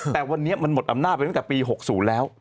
แต่วันนี้มันหมดอำนาจไปตั้งแต่ปี๖๐แล้ว